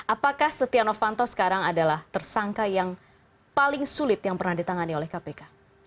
apakah setia novanto sekarang adalah tersangka yang paling sulit yang pernah ditangani oleh kpk